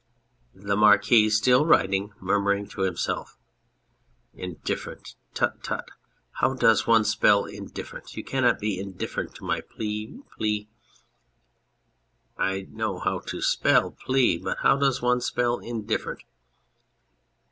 THE MARQUIS (still writing, murmuring to himself). " Indifferent "! Tut, tut, how does one spell "indifferent"? "You cannot be indifferent to my plea "..." plea." ... I know how to spell " plea," but how does one spell "indifferent"?